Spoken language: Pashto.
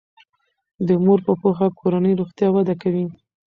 د مور په پوهه کورنی روغتیا وده کوي.